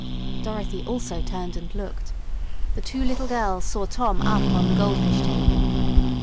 Dorothy also turned and looked. The two little girls saw Tom up on the goldfish table.